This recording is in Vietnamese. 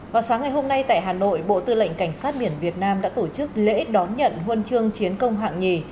vào sáng ngày hôm nay tại hà nội bộ tư lệnh cảnh sát biển việt nam đã tổ chức lễ đón nhận huân chương chiến công hạng nhì